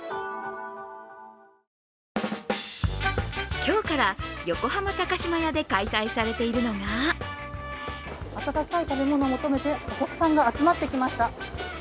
今日から横浜高島屋で開催されているのが温かい食べ物を求めてお客さんが集まってきました。